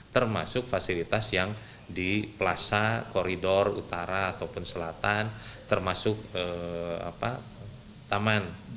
termasuk fasilitas yang di plaza koridor utara ataupun selatan termasuk taman